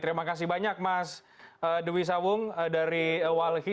terima kasih banyak mas dewi sawung dari walhi